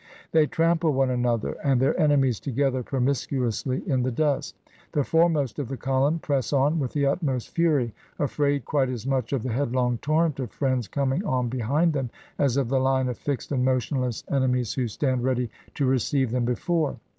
They trample one another and their enemies together promiscuously in the dust; the foremost of the column press on with the utmost fury, afraid quite as much of the headlong torrent of friends coming on behind them, as of the Une of fixed and motionless enemies who stand ready to receive them before.